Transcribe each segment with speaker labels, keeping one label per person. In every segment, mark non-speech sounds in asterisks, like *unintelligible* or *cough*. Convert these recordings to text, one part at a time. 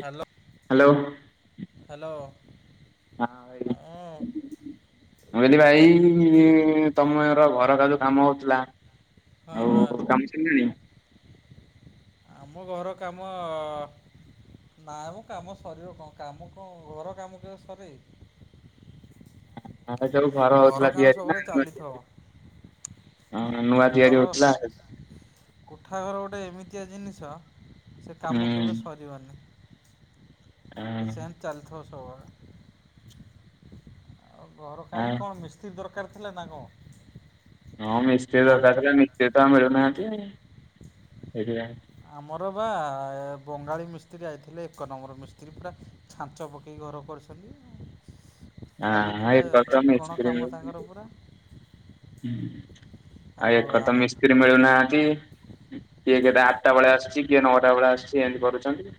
Speaker 1: Hello
Speaker 2: hello ହଁ
Speaker 1: hello.
Speaker 2: ହାଁ ଏଇ ମୁଁ କହିଲି ଭାଇ ଇ ତମର ଘରଟା ଯଉ କାମ ହଉଥିଲା।
Speaker 1: ହଁ ହଁ
Speaker 2: ଆଉ କାମ ଛିଡ଼ିଲାଣି?
Speaker 1: ଆମ ଘର କାମ ଅ ନାମ କାମ ସରିବ କଣ କାମ କଣ ଘର କାମ କେବେ ସରେ?
Speaker 2: ଏତେବେଳୁ ଘର ହଉଥିଲା
Speaker 1: କାମ
Speaker 2: ତିଆରି
Speaker 1: ସବୁବେଳେ
Speaker 2: ନା।
Speaker 1: ଚାଲିଥିବ
Speaker 2: ହଁ ନୂଆ ତିଆରି ହଉଥିଲା ଆଉ।
Speaker 1: କୋଠାଘର ଗୋଟେ ଏମିତିଆ ଜିନିଷ ସେ
Speaker 2: ହୁଁ
Speaker 1: କାମ କେବେ ସରିବନି। ସେତିମି
Speaker 2: ହଁ
Speaker 1: ଚାଲିଥିବ ସବୁବେଳେ ଆଉ ଘର କାହିଁକି କଣ ମିସ୍ତ୍ରୀ? କିଛି ଦରକାର ଥିଲା ନା କଣ?
Speaker 2: ହଁ ମିସ୍ତ୍ରୀ
Speaker 1: ଆମ
Speaker 2: ଦରକାର ଥିଲା ମିସ୍ତ୍ରୀ ତ ମିଳୁନାହାନ୍ତି ଆଉ ସେଥିପାଇଁ
Speaker 1: ଆମର ବା ବଙ୍ଗାଳୀ ମିସ୍ତ୍ରୀ ଆଇଥିଲେ ଏକନମ୍ବର ମିସ୍ତ୍ରୀ ପୁରା ଛାଞ୍ଚ ପକେଇ ଘର କରୁଛନ୍ତି। ଖାଲି
Speaker 2: ହଁ
Speaker 1: ପୁରା
Speaker 2: ଏକରେ ତ ମିସ୍ତ୍ରୀ
Speaker 1: ଚିକ୍କଣକାମ ତାଙ୍କର ପୁରା।
Speaker 2: ହଁ ଆଉ ଏକ ମିସ୍ତ୍ରୀ ମିଳୁନାହାନ୍ତି କିଏ ଗୋଟେ ଆଠଟା ବେଳେ ଆସିୁଛି କିଏ ନଅଟା ବେଳେ ଆସିଛି ଏମିତି କରୁଛନ୍ତି।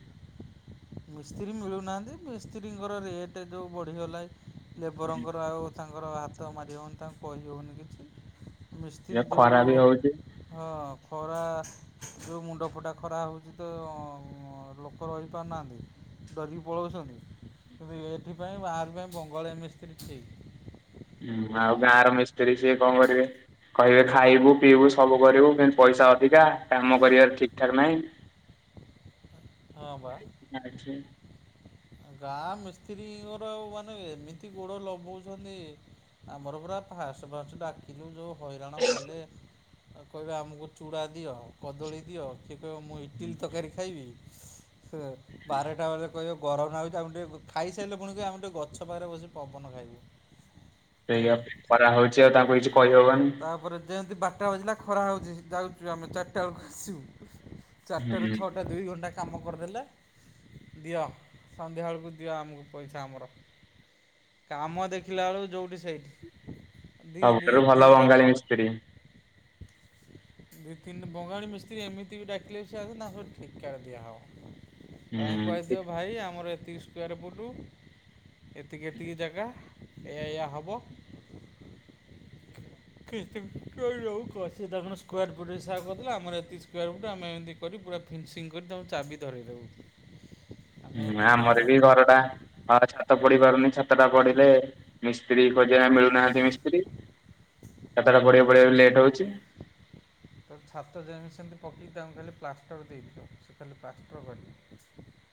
Speaker 1: ମିସ୍ତ୍ରୀ ମିଳୁନାହାନ୍ତି ମିସ୍ତ୍ରୀଙ୍କର ରେଟ୍ ଯେଉଁ ବଢ଼ିଗଲା ଲେବରଙ୍କର ଆଉ ତାଙ୍କର ହାତ ମାରି ହେଉନି ତାଙ୍କୁ କହି ହେଉନି କିଛି।
Speaker 2: ଏ
Speaker 1: ମିସ୍ତ୍ରୀ
Speaker 2: ଖରା ବି ହଉଛି
Speaker 1: ଯୋଉ ହଁ। ଖରା ଯୋଉ ମୁଣ୍ଡ ଫଟା ଖରା ହେଉଛି ତ ଲୋକ ରହିପାରୁନାହାନ୍ତି। ଡରିକି ପଳଉଛନ୍ତି କିନ୍ତୁ ଏଥିପାଇଁ ବାହାର ପାଇଁ ବଙ୍ଗାଲୀ ମିସ୍ତ୍ରୀ ଟିକି
Speaker 2: ଆଉ ଗାଁ ର ମିସ୍ତ୍ରୀ ସିଏ କଣ କରିବେ? କହିବେ ଖାଇବୁ ପିଇବୁ ସବୁ କରିବୁ କିନ୍ତୁ ପଇସା ଅଧିକା କାମ କରିବାର ଠିକ୍ ଠାକ ନାହିଁ।
Speaker 1: ହଁ ପା।
Speaker 2: *inaudible*
Speaker 1: ଗାଁ ମିସ୍ତ୍ରୀଙ୍କର ଆଉ ମାନେ ଏମିତି ଗୋଡ଼ ଲଗଉଛନ୍ତି। ଆମର ପୁରା ପାଷ୍ଟେ ପାଷ୍ଟେ ଡାକିଲୁ ଯୋଉ ହଇରାଣ କଲେ କହିବେ ଆମକୁ ଚୂଡ଼ା ଦିଅ କଦଳୀ ଦିଅ। କିଏ କହିବ ମୁଁ ଇଟିଲି ତରକାରୀ ଖାଇବି ବାରଟା ବେଳେ କହିବ ଗରମ ନା ହେଉଛି ଆମେ ଟିକେ ଖାଇସାରିଲେ ପୁଣିିକହିବେ ଆମେ ଟିକେ ଗଛପାଖରେ ବସି ପବନ ଖାଇବୁ।
Speaker 2: ସେଇଆ
Speaker 1: ହଁ
Speaker 2: ଖରା ହଉଛି ଆଉ ତାଙ୍କୁ କିଛି କହିହବନି।
Speaker 1: ତାପରେ ଯେମିତି ବାରଟା ବାଜିଲା ଖରା ହଉଛି ଯାଉଛୁ ଆମେ ଚାରିଟା ବେଳକୁ ଆସିବୁ। ଚାରଟାରୁ
Speaker 2: ହୁଁ
Speaker 1: ଛଅଟା ଦୁଇ ଘଣ୍ଟା କାମ କରିଦେଲେ ଦିଅ ସନ୍ଧ୍ୟାବେଳକୁ ଦିଅ ଆମକୁ ପଇସା ଆମର। କାମ ଦେଖିଲା ବେଳକୁ ଯୋଉଠି ସେଇଠି ଦି
Speaker 2: ହଲୋ ବଙ୍ଗଳୀ ମିସ୍ତ୍ରୀ।
Speaker 1: ଦୁଇ ତିନି ବଙ୍ଗାଳ ମିସ୍ତ୍ରୀ ଏମତି ବି ଡାକିଲେ ବି ସେ ଆସ ତା ସ ଠିକ୍ କରି ଦିଆହଉ। ତାଙ୍କୁ କୁହାଯାଇଥିବ ଭାଇ ଆମର ଏତିକି ସ୍କୋୟାର ଫୁଟ୍। ଏତିକି ଏତିକି ଜାଗା ଏ ଏୟଆ ହବ।
Speaker 2: ହ
Speaker 1: କେଉ କଛି ତା କ ସ୍କୋୟାର ଫିଟ୍ ହିସ କରିଥିଲା ଆମର ଏତେ ସ୍କୋୟାର ଫିଟ୍ ଆମେ ଏମିତି କରି ପୁରା ଫିନିସିଂ କରି ତାଙ୍କୁ ଚାବି ଧରାଇ ଦବୁ।
Speaker 2: ହୁଁ ଆମର ବି ଘରଟା ଛାତ ପଡ଼ି ପାରୁନି। ସାତଟା ପଢିଲେ ମିସ୍ତ୍ରୀ ଖୋଜିବା ମିଳୁନାହାନ୍ତି ମିସ୍ତ୍ରୀ। କେତଟା ବଢେଇକୁ ବଢେଇିବା ଲେଟ୍ ହଉଛି।
Speaker 1: ତ ଛାତ ଯେମିତି ସେମିତି ପକି ତାଙ୍କୁ ଖାଲି ପ୍ଲାଷ୍ଟର ଦେଇଦି ତ ସେ ଖାଲି ପ୍ଲାଷ୍ଟର କରିନି।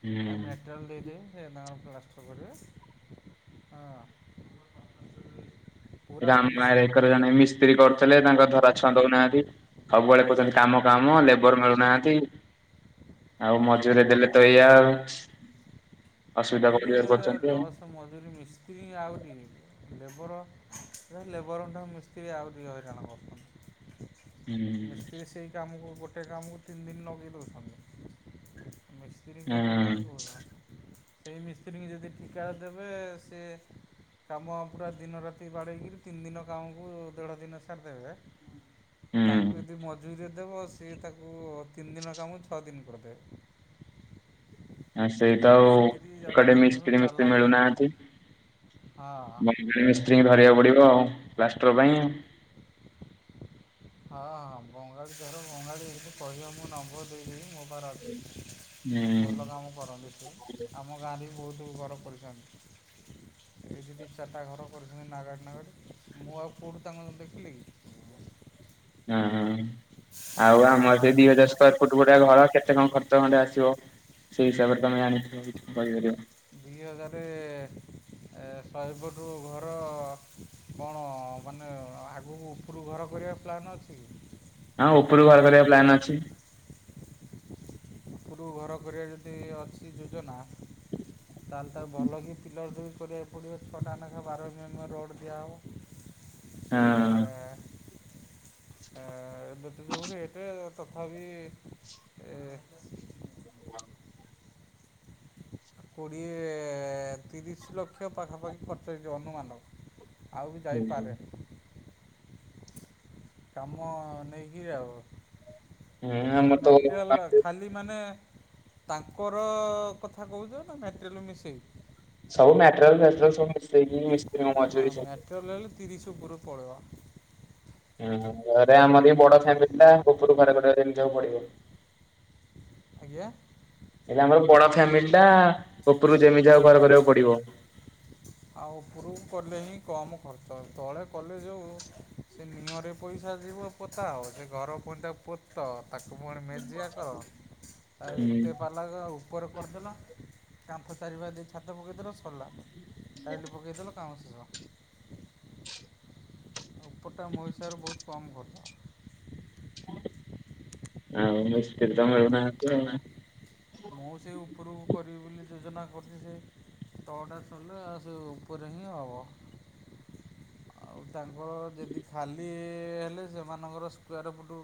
Speaker 2: ହୁଁ
Speaker 1: ଆଉ ମେଟ୍ରାଲ ଦେଇ ଏ ନର ପଷ୍ଟ କରିବ ହଁ। ପୁରା ଫିନିସିଂ
Speaker 2: ରାମାୟ ଏକର ଜଣେ ମିସ୍ତ୍ରୀ କରୁଥିଲେ ତାଙ୍କ ଧରା ଛନ୍ଦଉନାହାନ୍ତି। ସବୁବେଳେ କହୁଛନ୍ତି କାମ କାମ ଲେବର ମିଳୁନାହାନ୍ତି। ଆଉ ମଜରେ ଦେଲେ ତ ଏଇଆ ଆଉ ଅସୁବିଧା
Speaker 1: ମଜୁରୀ
Speaker 2: ପରିବାର କରୁଛନ୍ତି ଆଉ।
Speaker 1: ଲସ ମଧୁରୀ ମିସ୍ତ୍ରୀ ଆହୁରି। ଲେବର ଲେବରଙ୍କଠା ମିସ୍ତ୍ରୀ ଆଉ ଟିକେ ହେଇରାଣ କରନି।
Speaker 2: ହୁଁ।
Speaker 1: ମିସ୍ତ୍ରୀ ସେଇ କାମକୁ ଗୋଟେ କାମକୁ ତିନି ଦିନ ଲଗାଇ ଦେଉଛନ୍ତି ମିସ୍ତ୍ରୀ ମିସ୍ତ୍ରୀଙ୍କ କଥା କାହିଁ
Speaker 2: ହୁଁ
Speaker 1: କହୁହଛ ସେଇ ମିସ୍ତ୍ରୀଙ୍କୁ ଯଦି ଟିକା ଦେବେ ସି କାମ ଆ ପୁରା ଦିନ ରାତି ବାଡ଼େଇକିରି ତିନି ଦିନ କାମକୁ ଦେଢ଼ ଦିନ ସାରିଦେବେ। ଆଉ ତାଙ୍କୁ
Speaker 2: ହୁଁ
Speaker 1: ଯଦି ମଜୁୁରିରେ ଦେବ ସିଏ ତାକୁ ତିନି ଦିନ କାମ ଛଅ ଦିନ କରିଦେବେ।
Speaker 2: ହଁ ସେଇ ତ ଆଉ
Speaker 1: ମିସ୍ତ୍ରୀ
Speaker 2: ଏଟେ
Speaker 1: ଆଜିକାଲି ଯେଉଁ
Speaker 2: ମିସ୍ତ୍ରୀ ମିସ୍ତ୍ରୀ
Speaker 1: ଚାଲାକିଆ
Speaker 2: ମିଳୁନାହାନ୍ତି।
Speaker 1: ମିସ୍ତ୍ରୀ
Speaker 2: ବଙ୍ଗାଳୀ
Speaker 1: ହଁ।
Speaker 2: ଧରିବାକୁ ପଡିବ ଆଉ ପ୍ଲାଷ୍ଟର ପାଇଁ।
Speaker 1: ହଁ ହଁ ବଙ୍ଗାଳ ଧର ବଙ୍ଗାଳ ଏମତି କହିବା ମୁଁ ନମ୍ବର ଦେଇଦେବି ମୋ
Speaker 2: ହୁଁ।
Speaker 1: ଭଲ କାମ କରନ୍ତି ସେ ଆମ ଗାଁରେ ବି ବହୁତ ଗର ପଡୁଛନ୍ତି। ଏ ଯଦି ଚାରିଟା ଘର କରିଛନ୍ତି ନାଗାଡ଼ ନାଗାଡ଼ ମୁଁ ଆଉ କେଉଁଠୁ ତାଙ୍କ ଦେଖିଲି କି?
Speaker 2: ହୁଁ ହୁଁ। ଆଉ ଆମର ଟ ଦି ହଜାର ସ୍କୋୟାର ଫୁଟ ଗଡଆ ଘର କେତେ କଣ ଖର୍ଚ ଖଣ୍ଡେ ଆସିବ। ସେଇ ହିସାବରେ ତମେ ଆଣିିକି କହିପାରିବ
Speaker 1: ଦୁଇ ହଜାର ଶହେରୁୁ ଘର କଣ ମାନେ ଆଗକୁ ଉପରକୁ ଘର କରିବା ପ୍ଲାନ୍ ଅଛି?
Speaker 2: ହଁ ଉପରୁ ଘର କରିବା ପ୍ଲାନ୍ ଅଛି।
Speaker 1: ଉପରୁ ଘର କରିବା ଯଦି ଅଛି ଯୋଜନା ତାହେଲେ ତାକୁ ଭଲ କି ପିଲର୍ ଦ ବି କରିବାିବାକୁ ପଡ଼ିବ ପକାେଖା ବାର ରୋଡ଼ ଦିଆ ହେଉ
Speaker 2: ହୁଁ।
Speaker 1: ବେଟ ଯେଉରି ରେଟ୍ ତଥାପି କୋଡ଼ିଏ ତିରିଶ ଲକ୍ଷ ପାଖାପାଖି ଖର୍ଚ୍ଚଛି ଅନୁମାନ। ଆଉ ବି
Speaker 2: ହୁଁ
Speaker 1: ଯାଇପାରେ। କାମ ନେଇକିରି ଆଉ
Speaker 2: ଆମର ତ
Speaker 1: ମଟେରିଲ ଖାଲି ମାନେ ତାଙ୍କର କଥା କହୁଛ ନା ମେଟେରିଲ ମିଶାଇ।
Speaker 2: ସବ ମେଟ୍ରରଲ୍ରଲ ସବୁ ମିଶେଇକି
Speaker 1: ହଁ
Speaker 2: ମଜୁରୀ ସବୁ
Speaker 1: ମେଟ୍ରୋରେ ହେଲେ ତିରିଶ ଉପରୁ ପଳେଇବ।
Speaker 2: ହୁଁ ଘରେ ଆମର ବଡ ଫ୍ୟାମିଲି ଗୋପରୁ ଘରଡରେ ଏମି ଯକୁ ପଡିବ।
Speaker 1: ଆଜ୍ଞା?
Speaker 2: ଏଟା ଆମର ବଡ ଫ୍ୟାମିଲି ଟା ଉପରକୁ ଯେମିତି ଯାହା ହଉ ଘର କରିବାକୁ ପଡିବ।
Speaker 1: ଆଉ ଉପୁରୁକୁ କଲେ ହିଁ କମ୍ ଖର୍ଚ୍ଚ ତଳେ କଲେ ଯୋଉ ସେ ନିଅଁରେ ପଇସା ଯିବ ପୋଥା ହବ ସେ ଘର ପୁଣି ତାକୁ ପୋତ୍ ତ ତାକୁ ପୁଣି ମେଜିଆ କର ଆଉ
Speaker 2: ହୁଁ
Speaker 1: ଏତେ ପାଲା ଗ ଆଉ ଉପର କରିଦେଲ କାନ୍ଥ ଚାରିପାଖ ଦେଇ ଛାତ ପକେଇଦେଲ ସରିଲା। ଟାଇଲି ପକେଇଦେଲ କାମ ଶେଷ। ଏପଟା ମହିସାବରେ ବହୁତ କମ୍ ଖଚ।
Speaker 2: ଆ *unintelligible*
Speaker 1: ହଁ ମୁଁ ସେ ଉପରକୁ କରିବି ବୋଲି ଯୋଜନା କରୁଛି ସେ ତଳଟା ସରିଲେ ଆଉ ସେ ଉପରେ ହିଁ ହବ। ଆଉ ତାଙ୍କର ଯଦି ଖାଲି ହେଲେ ସେମାନଙ୍କର ସ୍କୋୟାର ଫୁଟୁ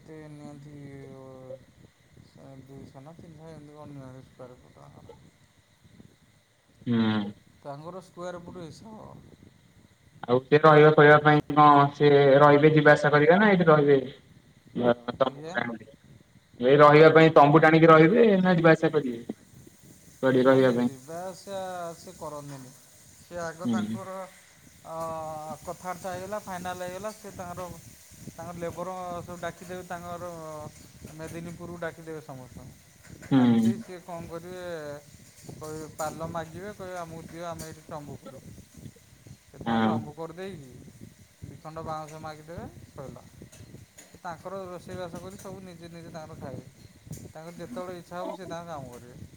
Speaker 1: ତେ ନିଅନ୍ତି ଅ ଏଁ ଦୁଇଶହ ନା ତିନିଶହ ଏମିତି କଣ ନିଅନ୍ତି ବେପାରକୁ ତାଙ୍କର।
Speaker 2: ହୁଁ
Speaker 1: ତାଙ୍କର ସ୍କୋୟାର ଫୁଟରେ ହିସାବ ହବ।
Speaker 2: ଆଉଟେ ତହିବା କହିବା ପାଇଁ କଁ ସେ ରହିବେ ଯିବା ଆସା କରିବେ ନା ଏଇଠି ରହିବେ? ମୋର ତ ତମ୍ବୁ
Speaker 1: ଆଜ୍ଞା
Speaker 2: ଗୋଟେ ଆଣିବି। ଏଇ ରହିବା ପାଇଁ ତମ୍ବୁ ଟାଣିକି ରହିବେ ନା ଯିବା ଆସା କରିବେ? ପଡି
Speaker 1: ନାଇଁ
Speaker 2: ରହିବା
Speaker 1: ନାଇଁ
Speaker 2: ପାଇଁ
Speaker 1: ଯିବା ଆସିବା ସେ କରନ୍ତିନି ସେ ଆଗ
Speaker 2: ହୁଁ
Speaker 1: ତାଙ୍କର ଅଁ କଥାଆର୍ତା ହେଇଗଲା ଫାଇନାଲ୍ ହେଇଗଲା ସେ ତାଙ୍କର ତାଙ୍କର ଲେବର ସବୁ ଡାକିଦେବେ ତାଙ୍କର ମେଦିନୀ ପୁରକୁ ଡାକିଦେବେ ସମସ୍ତଙ୍କୁ।
Speaker 2: ହୁଁ
Speaker 1: ଡାକିଦେଇ ସିଏ କଣ କରିବେ କହିବେ ପାଲ ମାଗିବେ କହିବେ ଆମକୁ ଦିଅ ଆମେ ଏଠି ଟମ୍ବୁପୁରୁ ସେଥିପାଇଁ
Speaker 2: ହଁ।
Speaker 1: ତମ୍ବୁ କରିଦେଇକି ଦିଖଣ୍ଡ ବାଉଁଶ ମାଗିଦେବେ ସଇଲା। ତାଙ୍କର ରୋଷେଇବାସ କରି ସବୁ ନିଜେ ନିଜେ ତାଙ୍କର ଖାଇବେ ତାଙ୍କର ଯେତେବେଳେ ଇ ଥାପି ସେ ତାଙ୍କର କାମ କରିବେ।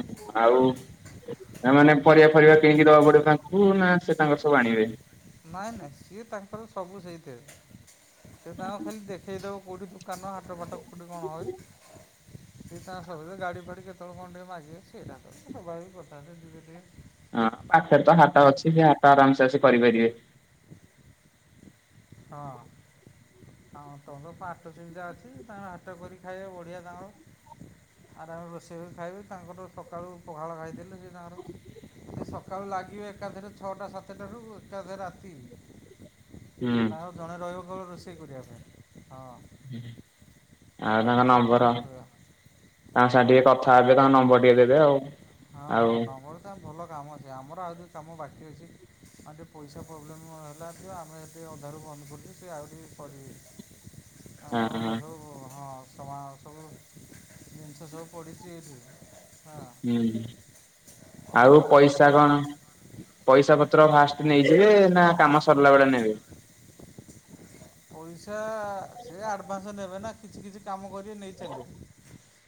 Speaker 2: ହୁଁ ଆଉ? ଏମାନେ ପରିବା ଫରିବା କିଣକି ଦବାକୁ ପଡିବ ତାଙ୍କୁ ନା ସେ ତାଙ୍କର ସବୁ ଆଣିବେ?
Speaker 1: ନାଇଁ ନାଇଁ ସିଏ ତାଙ୍କର ସବୁ ସେଇଥିରେ ସେ ତାଙ୍କର ଖାଲି ଦେଖେଇଦବ କୋଉଠି କାନ ହାତ ଫଟ କୋଉଠି କଣ ହଏ? ସେ ତା ସବୁ ଜିଷ ଗାଡି ଫାଡି କେତବେଳେ କଣ ଟିକେ ମାଗିବେ ସେଟା ତ ସ୍ୱଭାବିକ କଥା ସେ ଦୂରରେ ଟିକେ
Speaker 2: ହଁ ପାଖରେ ତ ହାଟ
Speaker 1: କୁଆଡ଼େ
Speaker 2: ଅଛି ବି ହାଟ ଆରାମସେ ଆସି କରିପାରିବେ।
Speaker 1: ହଁ। ହଁ ତମର ତ ପାଟ ସୁବିଧା ଅଛି ତାଙ୍କର ହାଟ କରି ଖାଇବେ ବଢ଼ିଆ ତାଙ୍କର। ଆରେ ଆମର ରୋଷେଇ କରି ଖାଇବେ ତାଙ୍କର ସକାଳୁ ପଖାଳ ଖାଇଦେଲେ ସେ ତାଙ୍କର ସକାଳୁ ଲାଗିବେ ଏକାଥରେ ଛଅଟା ସାତଟାରୁ ଏକାଥରେ ରାତି।
Speaker 2: ହୁଁ
Speaker 1: ଆଉ ତାଙ୍କର ଜଣେ ରହିବ କେବଳ ରୋଷେଇ କରିବା ପାଇଁ। ହଁ।
Speaker 2: ହୁଁ। ଆଉ
Speaker 1: ରାତି
Speaker 2: ତାଙ୍କ
Speaker 1: ସାତଟା
Speaker 2: ନମ୍ବର?
Speaker 1: କରିଦେବା
Speaker 2: ତାଙ୍କ ସାଙ୍ଗେ ଟିକେ କଥା ହେବେ ତାଙ୍କ ନମ୍ବର ଟିକେ ଦେବେ ଆଉ।
Speaker 1: ହଁ ହଁ
Speaker 2: ଆଉ
Speaker 1: ନମ୍ୱର ଟା ଭଲ କାମ ସେ ଆମର ଆଉ ଯୋଉ କାମ ବାକି ଅଛି ଆଉ ଟିକେ ପଇସା ପ୍ରୋବ୍ଲେମ୍ ହେଲାଠୁ ଆମେ ଏବେ ଅଧାରୁ ବନ୍ଦ କରିଛୁ ସେ ଆଉ ଟିକେ କରିବେ। କାମ
Speaker 2: ହଁ
Speaker 1: *unintelligible* ହଁ। ସମାନ ସବୁ ଜିନିଷ ସବୁ ପଡ଼ିଚି ଏଠି ହଁ।
Speaker 2: ହୁଁ
Speaker 1: ଅଧେ
Speaker 2: ଆଉ
Speaker 1: କାମ ହେଇଛି
Speaker 2: ପଇସା
Speaker 1: ଆଉ
Speaker 2: କଣ ପଇସା ପତ୍ର ଫାଷ୍ଟ ନେଇଯିବେ ନା କାମ ସରିଲା ବେଳେ ନେବେ?
Speaker 1: ପଇସା ସେ ଆଡଭାନ୍ସ ନେବେ ନା କିଛି କିଛି କାମ କରିବେ ନେଇ ଚାଲିବେ।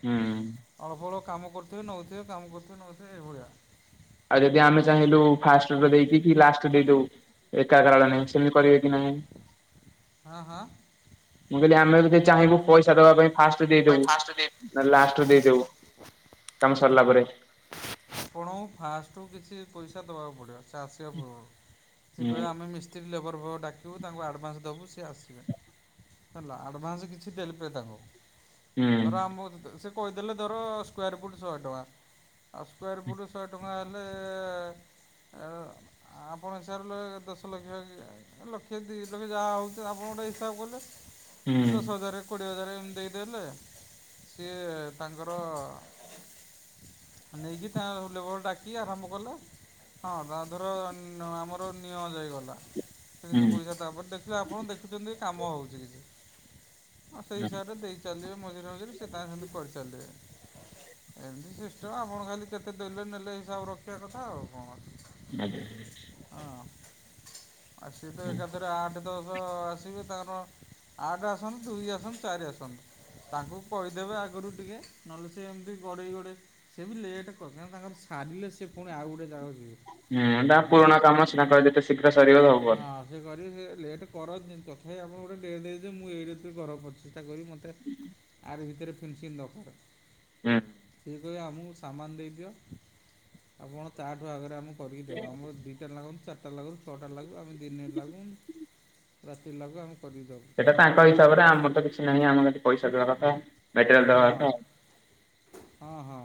Speaker 2: ହୁଁ
Speaker 1: ଅଳ୍ପ ଅଳ୍ପ କାମ କରୁଥିବେ ନଉଥିବେ କାମ କରୁଥିବେ ନଉଥିବେ ଏଇଭଳିଆ।
Speaker 2: ଆଉ ଯଦି ଆମେ ଚାହିଁଲୁ ଫାଷ୍ଟଟା ଦେଇଦେଇକି କି ଲାଷ୍ଟ ଦେଇଦବୁ? ଏକାଗ୍ରଳ ନାହିଁ ସେମିତି କରିବେ କି ନାହିଁ।
Speaker 1: ହଁ ହଁ?
Speaker 2: ମୁଁ କହିଲି ଆମେ ଯଦି ଚାହିଁବୁ ପଇସା ଦବା ପାଇଁ ଫାଷ୍ଟ
Speaker 1: ପାଇଁ
Speaker 2: ଦେଇଦବୁ।
Speaker 1: ଫାଷ୍ଟ ଦେଇ
Speaker 2: ନଲେ ଲାଷ୍ଟରୁୁ ଦେଇଦବୁ କାମ ସରିଲା ପରେ।
Speaker 1: ଆପଣଙ୍କୁ ଫାଷ୍ଟୁ କିଛି ପଇସା ଦେବାକୁ ପଡ଼ିବ ଚାଷିବା ପୂର୍ବରୁ ସେ
Speaker 2: ହୁଁ
Speaker 1: କହିବା ଆମେ ଆମେ ମିସ୍ତ୍ରୀ ଲେବର ଭ ଡାକିବୁ ତାଙ୍କୁ ଆଡ଼ଭାସ ଦେବୁ ସିଏ ଆସିବେ। ହେଲା ଆଡଭାନ୍ସ କିଛି ଦେଲେ ପ ତାଙ୍କୁ।
Speaker 2: ହୁଁ
Speaker 1: ର ଆମ ସେ କହିଦେଲେ ଧର ସ୍କ୍ୋୟାର ଫିଟ ଶହେ ଟଙ୍କା ସ୍କ୍ୱାର ପୁଟ୍ ଶହେ ଟଙ୍କା ହେଲେ ହଁ ଆପଣ ହସାର ଲ ଦଶ ଲକ୍ଷ ଲକ୍ଷେ ଦୁଇ ଲକ୍ଷ ଯାହା ହଉଛି ଆପଣ ଗୋଟେ ହିସାବ କଲେ। ଦଶ ହଜାର କୋଡିଏ ହଜାର ଏମତି ଦେଇଦଲେ ସିଏ ତାଙ୍କର ନେଇକି ତା ଲେବଲ ଡାକି ଆରମ୍ଭ କଲେ। ହଁ ତା ଧର ଆମର ନିଅଁ ଯାଇଗଲା। ସେ କିଛି ପଇସା
Speaker 2: ହୁଁ
Speaker 1: ତାପରେ ଦେଖିଲେ ଆପଣ ଦେଖୁଛନ୍ତି କାମ ହେଉଛି କିଛି ହଁ ସେଇ ହିସାବରେ ଦେଇଛି ଚାଲିଥିଲବେ ମଝିରେ ମଝିରେ ଏମିତି ସିଷ୍ଟମ୍ ଆଉ। କଣ ଖାଲି କେତେ ଦେଲେ ନେଲେ ହିସାବ ରଖିବା କଥା ଆଉ କଣ।
Speaker 2: ଆଜ୍ଞା।
Speaker 1: ହଁ। ଆଉ ସେଏ ତ ଏକାଥରେ ଆଠ ଦଶ ଆସିବେ ତାଙ୍କର ଆଠ ଆସନ୍ତୁ ଦୁଇ ଆସନ୍ତ ଚାରି ଆସନ୍ତୁ ତାଙ୍କୁ କହିଦେବେ ଆଗରୁ ଟିକେ ନହେଲେ ସେ ଏମିତି ଗୋଡ଼େଇ ଗୋଡ଼େ ସେ ବି ଲେଟ୍ କାକନା ତାର ସାରିଲେ ସ ସେଏ ପୁଣି ଆଉ ଗୋଟଏ ଜାଗାକୁ ଯିବେ।
Speaker 2: ହୁଁ ତା
Speaker 1: ହଁ।
Speaker 2: ପୁରୁଣା କାମ ସେଟା କ ଯେତେ ଶୀଘ୍ର ସରିବ ହବ।
Speaker 1: ଆ କରି ସେ ଲେଟ୍ କରନି ତଥାପି ଆପଣ ଗୋଟେ ଡେଟ୍ ଦେଇ ଯେ ମୁଁ ଏଇ ଋତିରେ କର ପାରୁଛି। ଚେଷ୍ଟତା କରି ମୋତେ ଆର ଭିତରେ ଫିନସିଙ୍ଗ ଦରକକାର
Speaker 2: ହୁଁ
Speaker 1: ସେ କହ ଆମକୁ ସାମାନ ଦେଇଦିଅ ଆପଣ ତାଠୁ ଆଗରେ ଆମେ କରିକି ଦେବ ଆମର ଦିଇଟା ଲାଗନ୍ତୁ ଚିଟ ସାତଟା ଲାଗୁ ଛଅଟା ଲାଗୁ ଆମେ ଦିନେ ଲାଗୁ ରାତି ଲାଗୁ ଆମେ କରିକି ଦଉ।
Speaker 2: ତାଙ୍କ ହିସାବରେ ଆମର ତ କିଛି ନାହିଁ ଆମ ଯଠି ପଇସା ଦବା କଥା। ମେଟେରିଆଲ ଦବା
Speaker 1: ହଁ
Speaker 2: କଥା
Speaker 1: ହଁ ହଁ।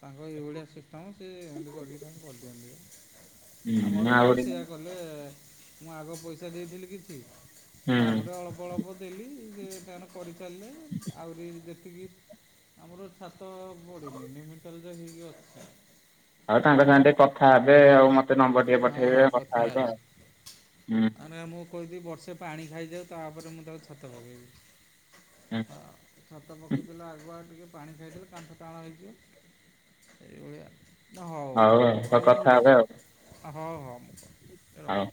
Speaker 1: ତାଙ୍କର ଏଇଭଳିଆ ସିଷ୍ଟମ୍ ସିଏ ଏମିତି କରିକି ତାଙ୍କୁ କରିଦିଅନ୍ତି ଆ। ଆ
Speaker 2: ହୁଁ
Speaker 1: ମୋର ବେଳେ
Speaker 2: ଆହୁରି
Speaker 1: ସେୟଆ କଲେ ମୁଁ ଆଗ ପଇସା ଦେଇଥିଲି କିଛି
Speaker 2: ହୁଁ
Speaker 1: ତାପରେ ଅଳ୍ପ ଅଳ୍ପ ଦେଲି ସେ ତାଣ କରିସାରିଲେ। ଯେତିକି ଆମର ଛାତ ବଢ଼େନି ନିମିଟଲଜ ହେଇକି ଅଛି।
Speaker 2: ଆଉ ତାଙ୍କ ସାଙ୍ଗରେ ଟିକେ କଥା ହେବେ ଆଉ ମତେ ନମ୍ବର ଟିକେ
Speaker 1: ହଁ ହଁ
Speaker 2: ପଠେଇବେ କଥା ହେବେ ଆଉ ହୁଁ।
Speaker 1: କହିଦି ବର୍ଷେ ପାଣି ଖାଇଯାଉ ତାପରେ ମୁଁ ତାକୁ ଛାତତ ପକାଇବି।
Speaker 2: ହୁଁ
Speaker 1: ହ ଛତା ପକ୍ଷୀ ବ ଆଗୁ ଟିକେ ପାଣି ଚାଇଟ କଣଠ କାଣ ହେକି ଏଇ ଗଳି
Speaker 2: ହଉ ତ କଥା ହେବେ ଆଉ।
Speaker 1: ହଉ ହଉ ମୁଁ
Speaker 2: ହଉ।
Speaker 1: ରଖ